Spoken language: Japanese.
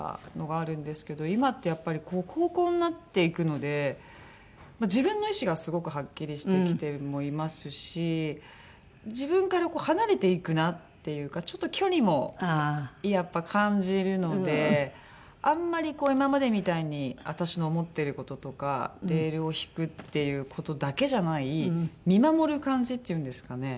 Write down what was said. あるんですけど今ってやっぱり高校になっていくので自分の意思がすごくはっきりしてきてもいますし自分から離れていくなっていうかちょっと距離もやっぱ感じるのであんまり今までみたいに私の思ってる事とかレールを敷くっていう事だけじゃない見守る感じっていうんですかね。